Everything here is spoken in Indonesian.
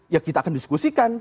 ya kita akan diskusikan